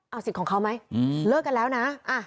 เอาสิทธิ์ของเขาไหมเลิกกันแล้วนะ